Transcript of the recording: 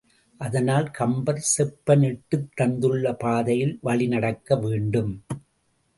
அதனால் கம்பர் செப்பனிட்டுத் தந்துள்ள பாதையில் வழிநடக்க வேண்டும்.